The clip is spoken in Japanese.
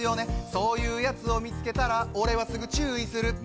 そういうやつを見つけたら、俺はすぐ注意する。